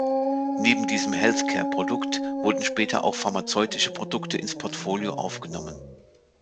Neben diesem Health Care-Produkt wurden später auch Pharmazeutische Produkte ins Portfolio aufgenommen.